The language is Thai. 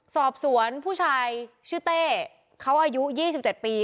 สอบสวนผู้ชายชื่อเต้เขาอายุ๒๗ปี